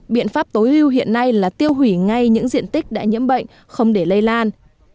biện pháp tối ưu hiện nay là tiêu hủy ngay những diện tích đã nhiễm bệnh không để lây lan